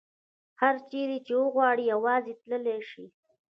هر چیرې چې وغواړي یوازې تللې شي.